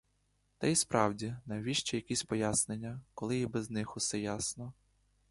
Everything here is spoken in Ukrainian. Та й справді, навіщо якісь пояснення, коли й без них усе ясно.